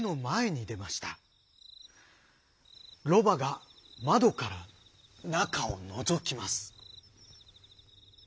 ロバがまどからなかをのぞきます。